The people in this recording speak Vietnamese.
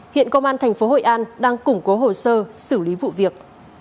hiện công an tp hội an đang củng cố hồ sơ xử lý vụ việc